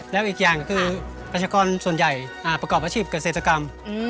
แล้วอีกอย่างคือประชากรส่วนใหญ่ประกอบอาชีพเกษตรกรรม